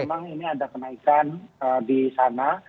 memang ini ada kenaikan di sana